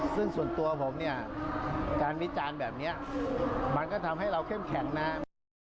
ซึ่งส่วนตัวผมเนี่ยการวิจารณ์แบบนี้มันก็ทำให้เราเข้มแข็งนะ